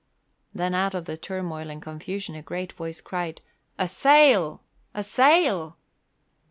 Then out of the turmoil and confusion a great voice cried, "A sail! A sail!"